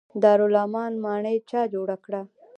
دارالامان ماڼۍ چا جوړه کړه؟